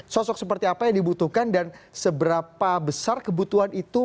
sosok seperti apa yang dibutuhkan dan seberapa besar kebutuhan itu